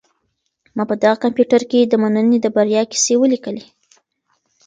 ما په دغه کمپیوټر کي د مننې د بریا کیسې ولیکلې.